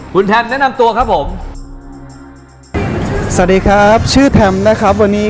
คุณแทนแนะนำตัวครับผมสวัสดีครับชื่อแทมนะครับวันนี้